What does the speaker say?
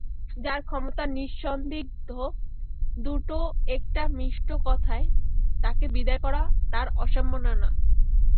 যাঁর ক্ষমতা নিঃসন্দিগ্ধ, দুটো একটা মিষ্ট কথায় তাঁকে বিদায় করা তাঁর অসম্মাননা।